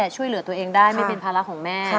ช่วยเหลือตัวเองได้ไม่เป็นภาระของแม่